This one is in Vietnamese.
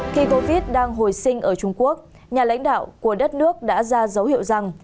khi covid đang hồi sinh ở trung quốc nhà lãnh đạo của đất nước đã ra dấu hiệu rằng